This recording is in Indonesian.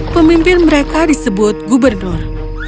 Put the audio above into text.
pemimpin mereka disebut gubernur